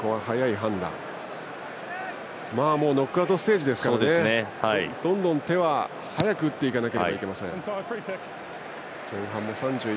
ノックアウトステージですからどんどん手は早く打っていかなければなりません。